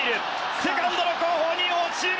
セカンドの後方に落ちる！